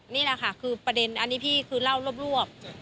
นี่แหละค่ะคือประเด็นอันนี้พี่คือเล่ารวบ